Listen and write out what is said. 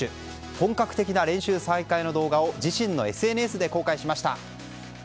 本格的な練習再開の動画を自身のＳＮＳで公開しました。